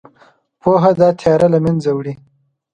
پوهه دا تیاره له منځه وړي.